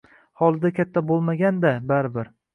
Hovlida katta bo`lmagan-da, baribir